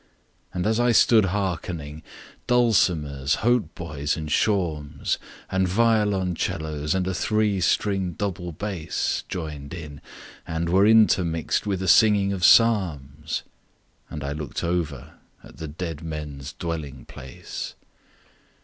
"And as I stood hearkening, dulcimers, haut boys, and shawms, And violoncellos, and a three stringed double bass, Joined in, and were intermixed with a singing of psalms; And I looked over at the dead men's dwelling place.